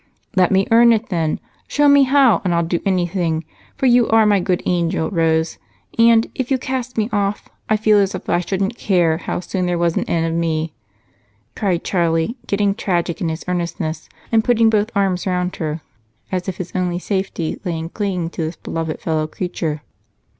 "Let me earn it, then. Show me how, and I'll do anything, for you are my good angel, Rose, and if you cast me off, I feel as if I shouldn't care how soon there was an end of me," cried Charlie, getting tragic in his earnestness and putting both arms around her, as if his only safety lay in clinging to this beloved fellow creature.